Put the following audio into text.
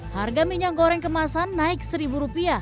harga minyak goreng kemasan naik rp satu